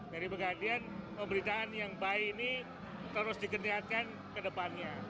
dari pegadian pemberitaan yang baik ini terus dikelihatkan ke depannya